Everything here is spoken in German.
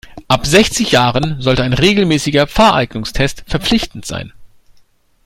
Ab sechzig Jahren sollte ein regelmäßiger Fahreignungstest verpflichtend sein.